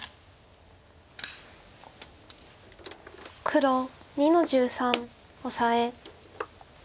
黒２の十三オサエ。